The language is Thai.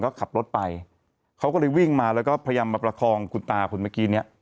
ก็ขับรถไปเขาก็เลยวิ่งมาแล้วก็พยายามมาประคองคุณตาคนเมื่อกี้เนี่ย